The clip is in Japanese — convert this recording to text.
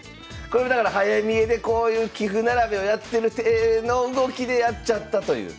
これだから早見えでこういう棋譜並べをやってる手の動きでやっちゃったという。